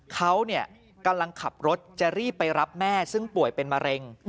เขากำลังขับรถจะรีบไปรับแม่ซึ่งป่วยเป็นมะเร็ง